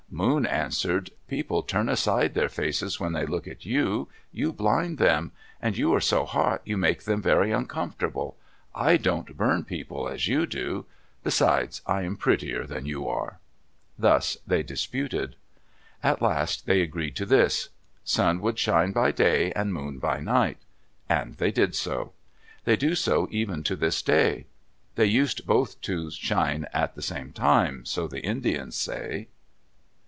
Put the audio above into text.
Moon answered, "People turn aside their faces when they look at you. You blind them; and you are so hot you make them very uncomfortable. I don't burn people as you do. Besides, I am prettier than you are." Thus they disputed. At last they agreed to this: Sun should shine by day and Moon by night. And they did so. They do so even to this day. They used both to shine at the same time; so the Indians say.